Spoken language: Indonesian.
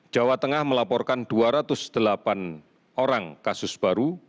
jawa tengah melaporkan dua ratus delapan orang kasus baru